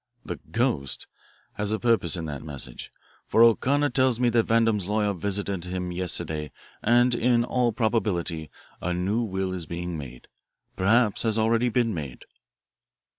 The 'ghost' had a purpose in that message, for O'Connor tells me that Vandam's lawyer visited him yesterday and in all probability a new will is being made, perhaps has already been made."